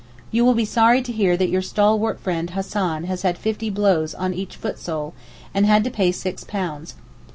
You will be sorry to hear that your stalwart friend Hassan has had fifty blows on each foot sole, and had to pay six pounds.